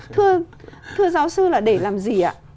thưa giáo sư là để làm gì ạ